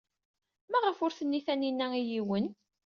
Maɣef ur tenni Taninna i yiwen?